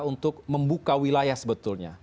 untuk membuka wilayah sebetulnya